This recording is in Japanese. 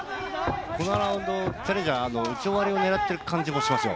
このラウンド、チャレンジャー、打ち終わりを狙っている感じがしますよ。